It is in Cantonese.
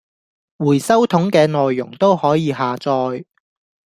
回收桶既內容都可以下載